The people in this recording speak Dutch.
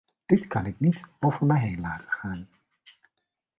Dit kan ik niet over mij heen laten gaan.